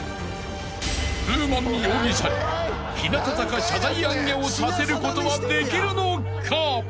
［ウーマン容疑者に日向坂謝罪行脚をさせることはできるのか？］